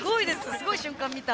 すごい瞬間見た。